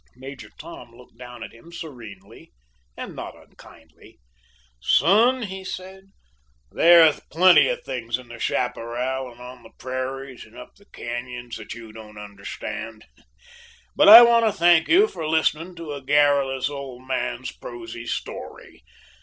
Major Tom looked down at him serenely and not unkindly. "Son," he said, "there are plenty of things in the chaparral, and on the prairies, and up the canyons that you don't understand. But I want to thank you for listening to a garrulous old man's prosy story.